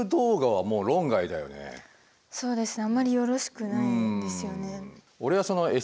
そうですね。